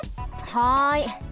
はい。